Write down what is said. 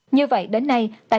như vậy đến nay tại việt nam